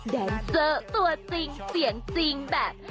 แดนเซอร์ตัวจริงเสียงจริงแบบ